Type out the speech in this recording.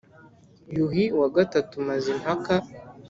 yuhi iii mazimpaka